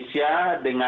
kita harus menjaga